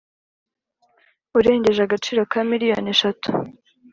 urengeje agaciro ka miliyoni eshatu